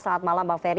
selamat malam bang ferry